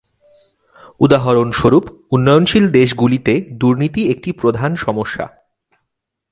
উদাহরণস্বরূপ উন্নয়নশীল দেশগুলিতে দুর্নীতি একটি প্রধান সমস্যা।